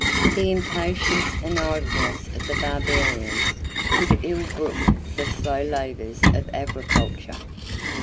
The impatience and idleness of the barbarians could ill brook the slow labors of agriculture.